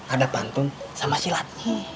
ada pantun sama silat